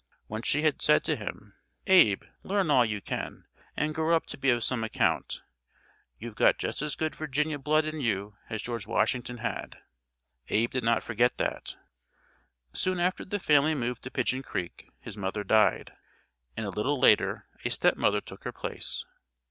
Once she had said to him, "Abe, learn all you can, and grow up to be of some account. You've got just as good Virginia blood in you as George Washington had." Abe did not forget that. [Illustration: BIRTHPLACE OF ABRAHAM LINCOLN] Soon after the family moved to Pidgeon Creek his mother died, and a little later a stepmother took her place.